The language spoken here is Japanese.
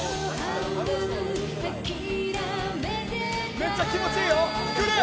めっちゃ気持ちいいよ！